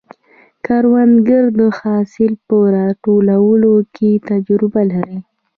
کروندګر د حاصل په راټولولو کې تجربه لري